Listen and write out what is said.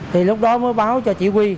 thì lúc đó mới báo cho chỉ huy